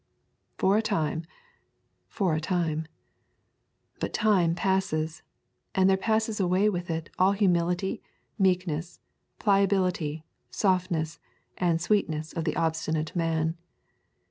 For a time; for a time. But time passes, and there passes away with it all the humility, meekness, pliability, softness, and sweetness of the obstinate man.